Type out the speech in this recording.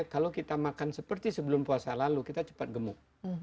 kalau kita makan seperti sebelum puasa lalu kita cepat gemuk